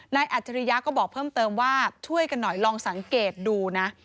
อัจฉริยะก็บอกเพิ่มเติมว่าช่วยกันหน่อยลองสังเกตดูนะ